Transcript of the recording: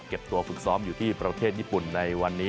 ตัวฝึกซ้อมอยู่ที่ประเทศญี่ปุ่นในวันนี้